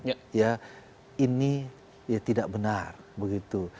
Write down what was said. ya ini ya tidak benar begitu